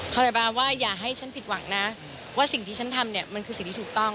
คาราบาลว่าอย่าให้ฉันผิดหวังนะว่าสิ่งที่ฉันทำเนี่ยมันคือสิ่งที่ถูกต้อง